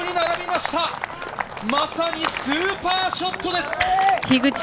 まさにスーパーショットです！